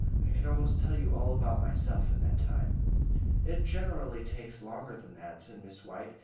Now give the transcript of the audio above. I could almost tell you all about myself in that time." "It generally takes longer than that," said Miss White.